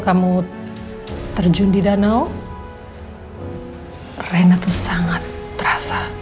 dan menuju di danau reina tuh sangat terasa